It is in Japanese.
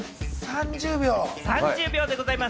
３０秒でございます。